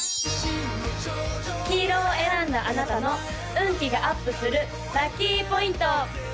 黄色を選んだあなたの運気がアップするラッキーポイント！